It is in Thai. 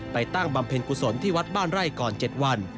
ตั้งบำเพ็ญกุศลที่วัดบ้านไร่ก่อน๗วัน